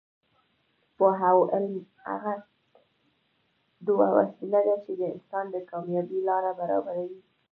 پوهه او علم هغه دوه وسلې دي چې د انسان د کامیابۍ لاره برابروي.